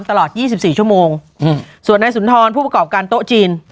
ตลอดยี่สิบสี่ชั่วโมงอืมส่วนในสุนทรผู้ประกอบการโต๊ะจีน